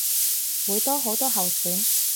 會多好多候選